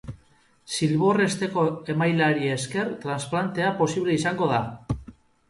Zilbor-hesteko emaileari esker transplantea posible izango da.